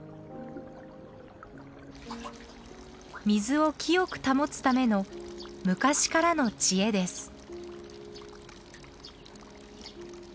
水を清く保つための昔からの知恵です。